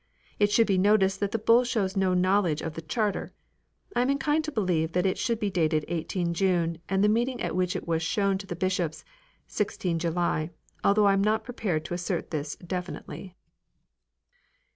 It should be noticed that the Bull shows no knowledge of the Charter. I am inclined to believe that it should be dated 18 June, and the meeting at which it was shown the bishops 16 July, though I am not prepared to as sert this definitely.